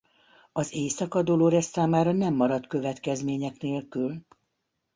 Az éjszaka Dolores számára nem marad következmények nélkül.